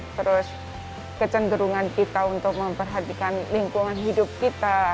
terus kecenderungan kita untuk memperhatikan lingkungan hidup kita